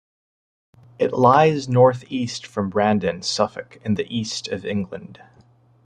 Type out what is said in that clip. It lies north east from Brandon, Suffolk in the East of England.